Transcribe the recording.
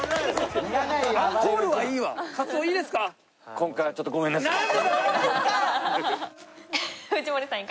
今回はちょっとごめんなさい。